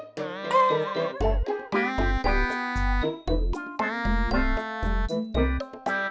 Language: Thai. เดี๋ยวมึงก็รู้ว่ากูอะ